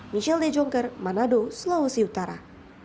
michelle dejongker manado sulawesi utara